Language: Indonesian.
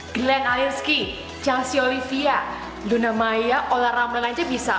glenn alinsky chelsea olivia luna maya olahraga melancar bisa